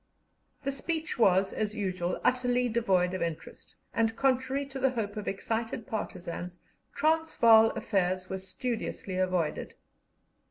The speech was, as usual, utterly devoid of interest, and, contrary to the hope of excited partisans, Transvaal affairs were studiously avoided.